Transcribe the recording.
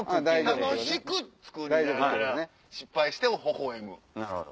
楽しく作りながら失敗してもほほ笑む。